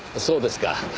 そうですか。